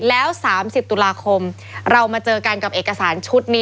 แล้ว๓๐ตุลาคมเรามาเจอกันกับเอกสารชุดนี้